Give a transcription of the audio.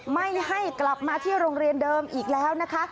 ไม่ให้กลับมาที่โรงเรียนเดิมอีกแล้วนะคะ